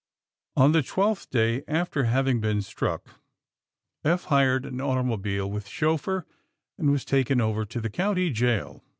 On the twelfth day after having been struck Eph hired an automobile, with chauffear, and was taken over to the county jail.